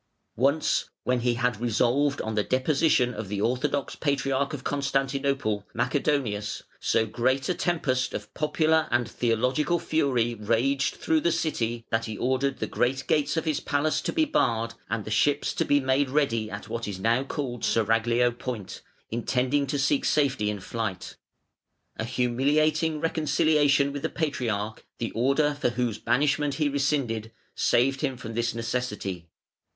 (511) Once, when he had resolved on the deposition of the orthodox Patriarch of Constantinople, Macedonius, so great a tempest of popular and theological fury raged through the city, that he ordered the great gates of his palace to be barred and the ships to be made ready at what is now called Seraglio Point, intending to seek safety in flight. A humiliating reconciliation with the Patriarch, the order for whose banishment he rescinded, saved him from this necessity.